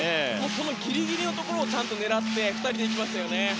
そのギリギリのところをちゃんと狙って２人で行きましたよね。